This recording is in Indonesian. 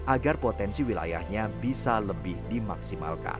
agar potensi wilayahnya bisa lebih dimaksimalkan